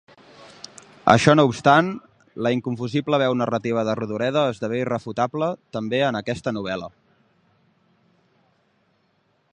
Això no obstant, la inconfusible veu narrativa de Rodoreda esdevé irrefutable també en aquesta novel·la.